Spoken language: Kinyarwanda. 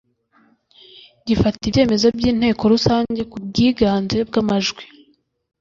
Gifata ibyemezo by’ Inteko Rusange ku bwiganze bw.amajwi.